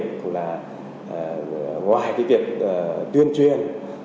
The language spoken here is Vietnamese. cũng là ngoài cái việc tuyên truyền